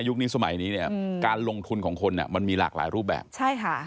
นี้สมัยนี้เนี่ยการลงทุนของคนอ่ะมันมีหลากหลายรูปแบบใช่ค่ะ